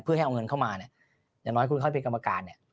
เพื่อให้เอาเงินเข้ามาเนี่ยอย่างน้อยคุณค่อยเป็นกรรมการเนี่ย